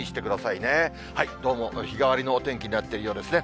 どうも、日替わりのお天気になっているようですね。